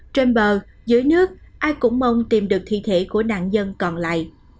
trên bờ dưới nước ai cũng mong tìm được thi thể của nạn dân còn lại